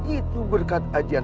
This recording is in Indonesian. itu berkat ajian